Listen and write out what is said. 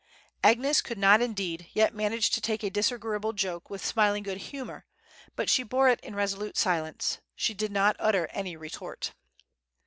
Agnes could not, indeed, yet manage to take a disagreeable joke with smiling good humor, but she bore it in resolute silence, she did not utter any retort.